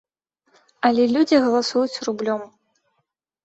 Але людзі галасуюць рублём.